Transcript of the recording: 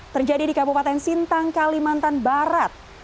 terjadi di kabupaten sintang kalimantan barat